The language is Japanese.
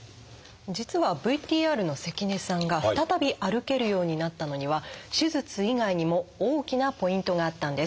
実はＶＴＲの関根さんが再び歩けるようになったのには手術以外にも大きなポイントがあったんです。